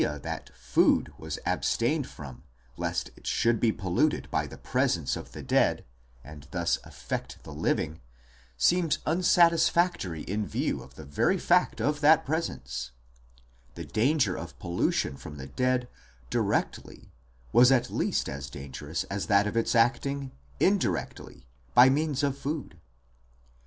MOURNING AND BURIAL CUSTOMS 161 that food was abstained from lest it should be polluted by the presence of the dead, and thus affect the living, seems unsatisfactory in view of the very fact of that presence ; the danger of pollution from the dead directly was at least as dangerous as that of its acting indirectly by means of food.